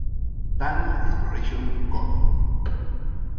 Tana Exploration Co.